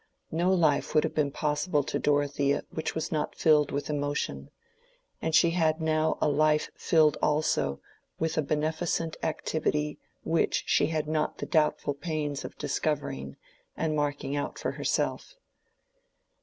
No life would have been possible to Dorothea which was not filled with emotion, and she had now a life filled also with a beneficent activity which she had not the doubtful pains of discovering and marking out for herself.